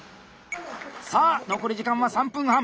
さあ残り時間は３分半！